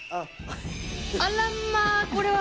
あらまー、これは。